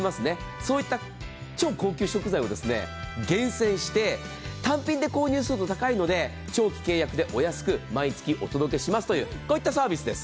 そういった超高級食品を厳選して単品で購入すると高いのでお安く毎月お届けしますというこういったサービスです。